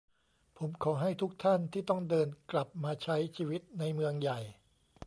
ผมขอให้ทุกท่านที่ต้องเดินกลับมาใช้ชีวิตในเมืองใหญ่